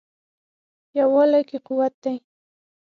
یووالي کې قوت دی.